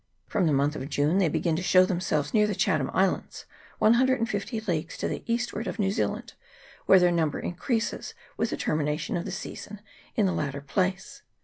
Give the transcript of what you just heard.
From the month of June they begin to show themselves near the Chatham Islands, 150 leagues to the eastward of New Zealand, where their number increases with the termination of the season in the latter place.